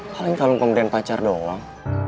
kalung ini kalung pemberian pacar doang